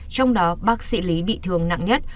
trong đó bác sĩ lý bị thương nặng nhất